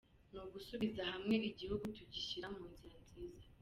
ni gusubiza hamwe igihugu tugishira mu nzira nziza.